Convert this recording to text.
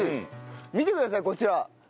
見てくださいこちら。